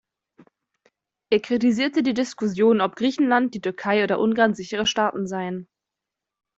Er kritisierte die Diskussion, ob Griechenland, die Türkei oder Ungarn sichere Staaten seien.